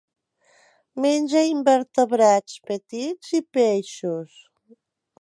Menja invertebrats petits i peixos.